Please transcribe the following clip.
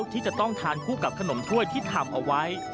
ที่จะต้องทานคู่กับขนมถ้วยที่ทำเอาไว้